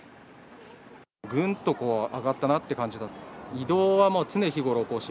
ぐんと上がったなと感じた。